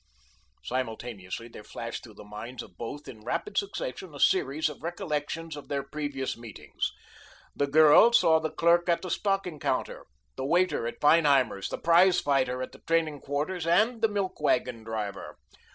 Simultaneously there flashed through the minds of both in rapid succession a series of recollections of their previous meetings. The girl saw the clerk at the stocking counter, the waiter at Feinheimer's, the prize fighter at the training quarters and the milk wagon driver.